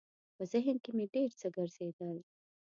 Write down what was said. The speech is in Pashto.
په ذهن کې مې ډېر څه ګرځېدل.